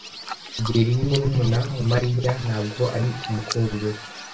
kigeli ni murumuna wa Mariya, ntabwo ari umukunzi we.